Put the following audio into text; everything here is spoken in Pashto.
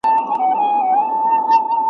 ما روان كړله پر لار د فساديانو `